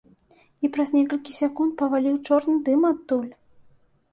І праз некалькі секунд паваліў чорны дым адтуль.